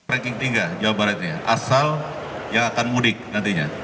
ranking tiga jawa barat ini asal yang akan mudik nantinya